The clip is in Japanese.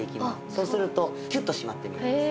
そうするとキュッと締まって見えます。